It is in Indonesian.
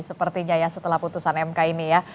berarti setelah putusan mk ini ya